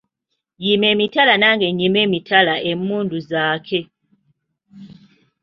Yima emitala nange nnyime emitala emmundu zaake.